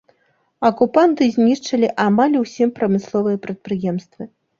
Акупанты знішчылі амаль усе прамысловыя прадпрыемствы.